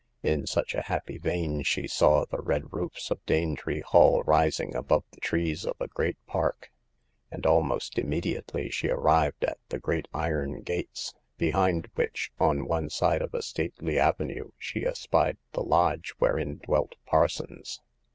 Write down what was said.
In such a happy vein she saw the red roofs of Danetree Hall rising above the trees of a great park ; and almost immediately she arrived at the great iron gates, behind which, on one side of a stately avenue, she espied the lodge wherein dwelt Parsons.